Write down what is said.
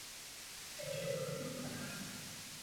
台湾血桐为大戟科血桐属下的一个种。